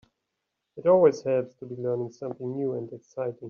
It always helps to be learning something new and exciting.